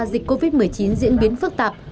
dịch covid một mươi chín diễn biến phức tạp